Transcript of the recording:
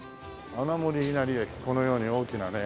このように大きなね鳥居が。